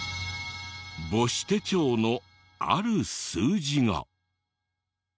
母子手帳のある数字が。